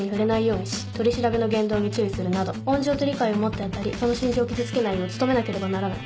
うしに取調べの言動に注意する等温情と理解をもって当たりその心情を傷つけないように努めなければならない」